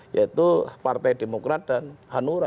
yaitu partai demokrat dan hanura